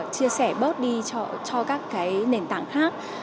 chia sẻ bớt đi cho các cái nền tảng khác